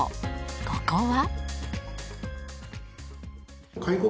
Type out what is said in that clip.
ここは。